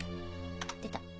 出た。